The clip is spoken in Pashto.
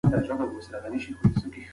که صفايي وي نو ناروغي نه راځي.